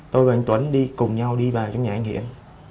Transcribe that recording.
tôi và anh tuấn đi cùng nhau đi vào trong nhà anh hiển